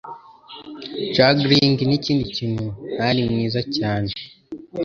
Juggling nikindi kintu ntari mwiza cyane.